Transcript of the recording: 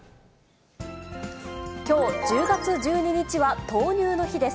きょう１０月１２日は豆乳の日です。